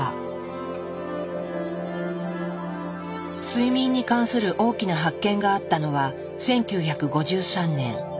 睡眠に関する大きな発見があったのは１９５３年。